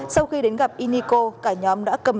sau khi đến gặp y niko cả nhóm đã cầm